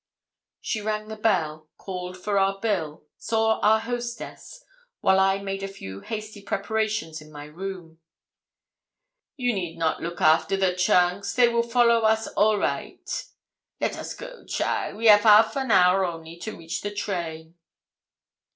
She rang the bell, called for our bill, saw our hostess; while I made a few hasty prepartions in my room. 'You need not look after the trunks they will follow us all right. Let us go, cheaile we 'av half an hour only to reach the train.'